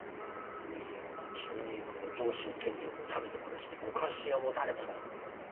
上様が急にこの上州天領の民の暮らしにご関心を持たれての。